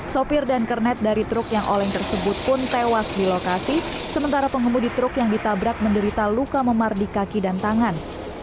sopir dan kernet dari truk yang oleng tersebut pun tewas di lokasi sementara pengemudi truk yang ditabrak menderita luka memar di kaki dan tangan